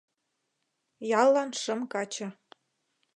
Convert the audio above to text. — Яллан шым каче.